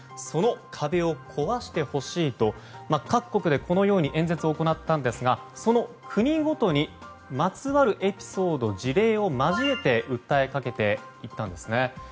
その壁を壊してほしいと各国でこのように演説を行ったんですがその国ごとにまつわるエピソードや事例を交えて訴えかけていったんですね。